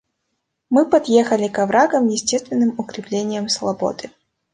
Мы подъехали к оврагам, естественным укреплениям слободы.